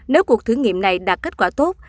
nếu cuộc thử nghiệm này đạt kết quả tốt